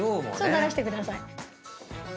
ならしてください。